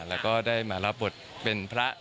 แล้วก็ได้มารับบทเป็นพระ